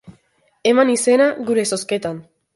Eman izena gure zozketan!